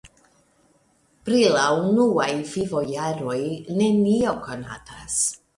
Pri la unuaj vivojaroj nenio konatas.